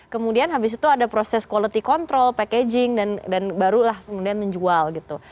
kemudian habis itu ada proses quality control packaging dan barulah kemudian menjual gitu